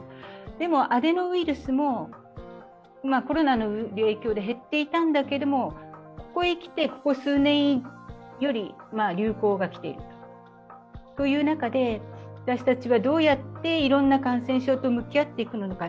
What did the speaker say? でもアデノウイルスもコロナの影響で減っていたんだけどここへきて、ここ数年より流行が来ている、そういう中で私たちがどうやっていろいろな感染症を向き合っていくのか。